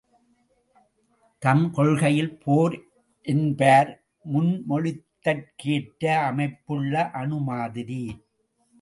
தம் கொள்கையில் போர் என்பார் முன்மொழிந்தற்கேற்ற அமைப்புள்ள அணு மாதிரி.